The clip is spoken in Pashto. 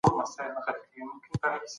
دا د سلیم فطرت غوښتنه ده چي تل عدل وکړو.